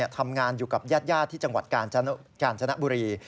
ทำงานอยู่กับญาติที่จังหวัดกาญจนบุรี